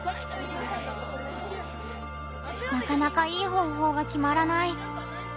なかなかいい方法が決まらない。